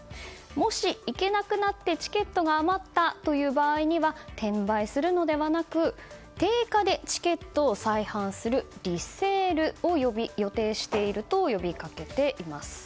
もし、行けなくなってチケットが余ったという場合には転売するのではなく定価でチケットを再販するリセールを予定していると呼びかけています。